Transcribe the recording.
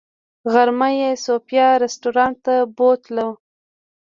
غرمه یې صوفیا رسټورانټ ته بوتلو.